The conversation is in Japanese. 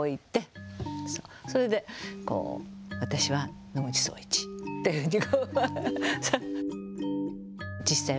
それでこう、私は野口聡一っていうふうに。